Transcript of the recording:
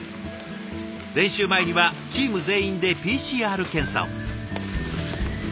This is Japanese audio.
練習前にはチーム全員でＰＣＲ検査を。